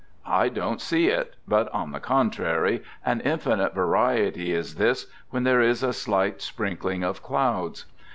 I don't see it, but on the contrary, an infinite variety is this, when there is a slight sprinkling of clouds.